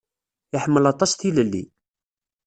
Iḥemmel aṭas tilelli.